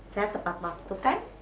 saya tepat waktu kan